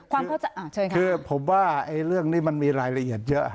เชิญค่ะคือผมว่าเรื่องนี้มันมีรายละเอียดเยอะ